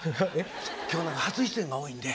今日何か初出演が多いんで。